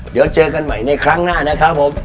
เดี๋ยวเจอกันใหม่ในครั้งหน้านะครับผม